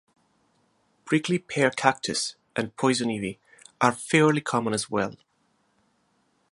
Prickly pear cactus and poison ivy are fairly common as well.